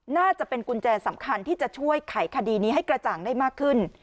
น่าจะเป็นกุญแจสำคัญที่จะช่วยไขคดีนี้ให้กระจ่างได้มากขึ้น